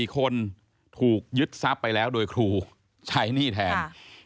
๔คนถูกยึดทรัพย์ไปแล้วโดยครูใช้หนี้แทน